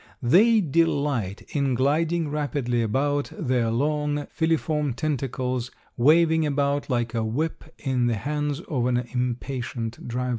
They delight in gliding rapidly about, their long, filiform tentacles waving about like a whip in the hands of an impatient driver.